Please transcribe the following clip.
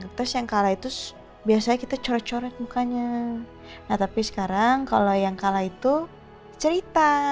terus yang kalah itu biasanya kita coret coret mukanya nah tapi sekarang kalau yang kalah itu cerita